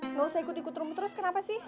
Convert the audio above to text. nggak usah ikut ikut rumput terus kenapa sih